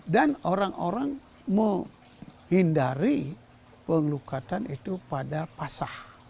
orang orang menghindari pengelukatan itu pada pasah